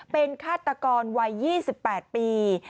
เป็นฆาตกรวัย๒๘ปี